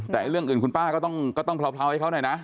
แต่เรื่องอื่นคุณป้าก็ต้องเลาให้เขาหน่อยนะ